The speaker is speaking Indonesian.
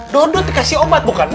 dodot dikasih obat bukan